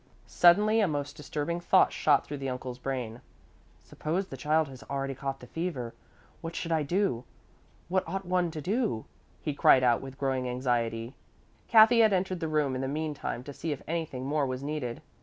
Suddenly a most disturbing thought shot through the uncle's brain: "Suppose the child has already caught the fever? What should I do? What ought one to do?" he cried out with growing anxiety. Kathy had entered the room in the meantime to see if anything more was needed.